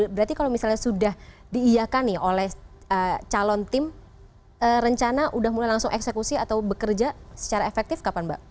berarti kalau misalnya sudah diiakan nih oleh calon tim rencana sudah mulai langsung eksekusi atau bekerja secara efektif kapan mbak